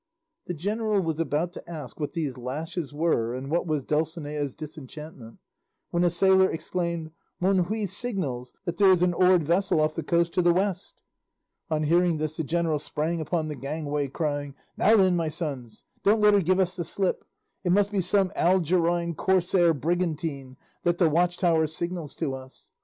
The general was about to ask what these lashes were, and what was Dulcinea's disenchantment, when a sailor exclaimed, "Monjui signals that there is an oared vessel off the coast to the west." On hearing this the general sprang upon the gangway crying, "Now then, my sons, don't let her give us the slip! It must be some Algerine corsair brigantine that the watchtower signals to us."